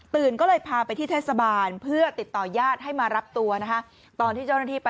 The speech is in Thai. ตื่นก็เลยพาไปที่เทศบาลเพื่อติดต่อญาติให้มารับตัวนะคะ